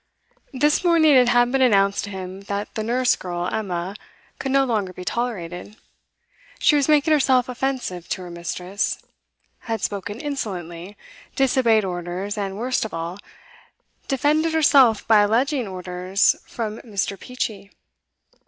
This morning it had been announced to him that the nurse girl, Emma, could no longer be tolerated; she was making herself offensive to her mistress, had spoken insolently, disobeyed orders, and worst of all, defended herself by alleging orders from Mr. Peachey.